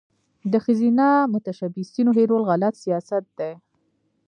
د ښځینه متشبثینو هیرول غلط سیاست دی.